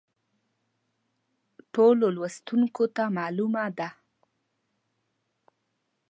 ټولو لوستونکو ته معلومه ده.